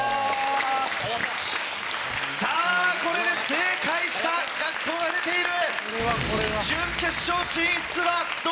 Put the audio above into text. さぁこれで正解した学校が出ている！